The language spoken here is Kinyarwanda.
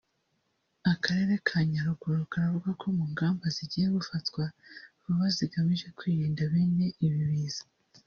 Akarere ka Nyaruguru karavuga ko mu ngamba zigiye gufatwa vuba zigamije kwirinda bene ibi biza